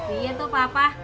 iya tuh papa